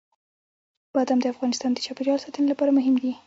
بادام د افغانستان د چاپیریال ساتنې لپاره مهم دي.